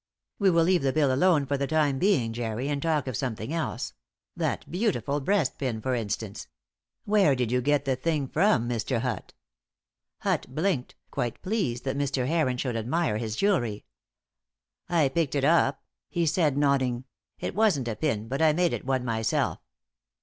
"We will leave the bill alone for the time being, Jerry, and talk of something else that beautiful breastpin, for instance! Where did you get the thing from, Mr. Hutt?" Hutt blinked, quite pleased that Mr. Heron should admire his jewellery. "I picked it up," he said, nodding. "It wasn't a pin, but I made it one myself."